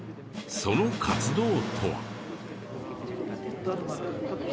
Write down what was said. その活動とは？